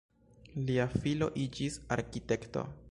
Lia filo iĝis arkitekto.